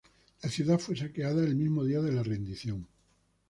La ciudad fue saqueada el mismo día de la rendición.